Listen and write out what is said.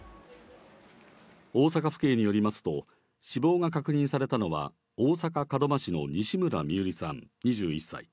大阪府警によりますと死亡が確認されたのは大阪・門真市の西村美夕璃さん、２１歳。